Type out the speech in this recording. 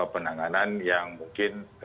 penanganan yang mungkin